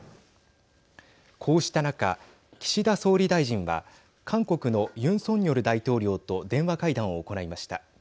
こうした中、岸田総理大臣は韓国のユン・ソンニョル大統領と電話会談を行いました。